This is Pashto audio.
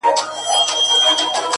یو ډارونکی ـ ورانونکی شی خو هم نه دی ـ